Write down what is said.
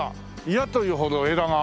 嫌というほど枝が。